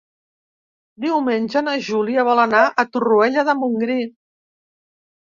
Diumenge na Júlia vol anar a Torroella de Montgrí.